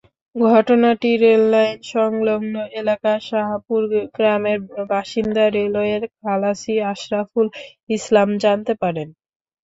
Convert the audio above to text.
ঘটনাটি রেললাইন-সংলগ্ন এলাকার শাহপুর গ্রামের বাসিন্দা রেলওয়ের খালাসি আশরাফুল ইসলাম জানতে পারেন।